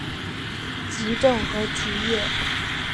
极昼和极夜。